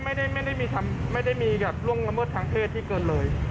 ไม่ได้มีความละเมิดทางเพศที่เกินเลย